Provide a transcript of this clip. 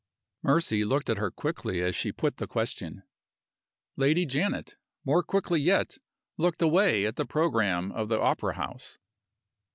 Mercy looked at her quickly as she put the question. Lady Janet, more quickly yet, looked away at the programme of the opera house.